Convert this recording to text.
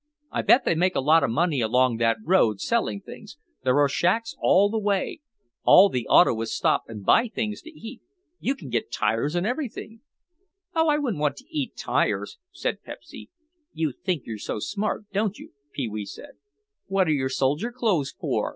I bet they make a lot of money along that road selling things. There are shacks all the way. All the autoists stop and buy things to eat. You can get tires and everything." "Oh, I wouldn't want to eat tires," said Pepsy. "You think you're smart, don't you?" Pee wee said. "What are your soldier clothes for?"